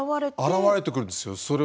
現れてくるんですよ。